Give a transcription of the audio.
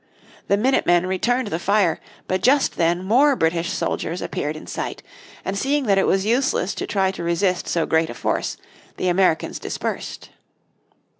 The minute men returned the fire, but just then more British soldiers appeared in sight. And seeing that it was useless to try to resist so great a force the Americans dispersed.